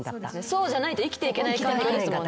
そうじゃないと生きていけないところですもんね。